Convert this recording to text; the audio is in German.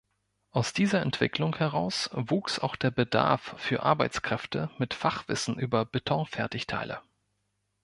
Aus dieser Entwicklung heraus wuchs auch der Bedarf für Arbeitskräfte mit Fachwissen über Betonfertigteile.